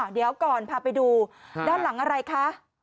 เดี๋ยวก่อนพาไปดูด้านหลังอะไรคะ